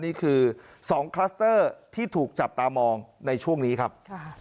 นี่คือ๒คลัสเตอร์ที่ถูกจับตามองในช่วงนี้ครับ